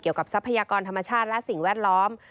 ทรัพยากรธรรมชาติและสิ่งแวดล้อม